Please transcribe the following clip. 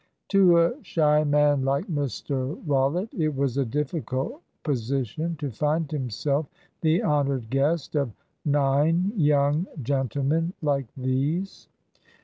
To a shy man like Mr Rollitt, it was a difficult position to find himself the honoured guest of nine young gentlemen like these.